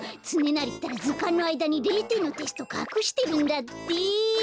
つねなりったらずかんのあいだに０てんのテストかくしてるんだって。